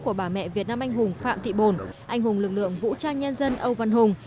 của bà mẹ việt nam anh hùng phạm thị bồn anh hùng lực lượng vũ trang nhân dân âu văn hùng